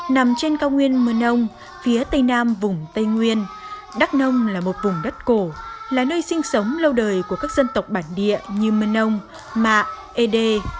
nằm trên cao nguyên mơ nông phía tây nam vùng tây nguyên đắk nông là một vùng đất cổ là nơi sinh sống lâu đời của các dân tộc bản địa như mơ nông mạ ê đê